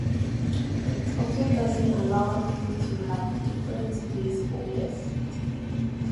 It also doesn't allow you to have different placeholders